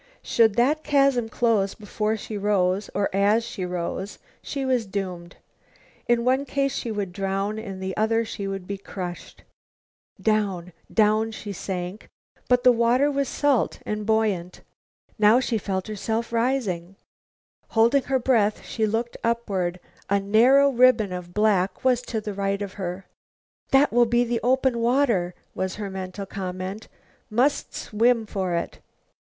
Should that chasm close before she rose, or as she rose, she was doomed. In one case she would drown, in the other she would be crushed. Down, down she sank. But the water was salt and buoyant. Now she felt herself rising. Holding her breath she looked upward. A narrow ribbon of black was to the right of her. "That will be the open water," was her mental comment. "Must swim for it."